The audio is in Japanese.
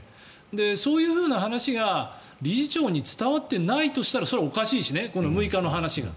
そういう話が理事長に伝わっていないとしたらそれ、おかしいし６日の話が。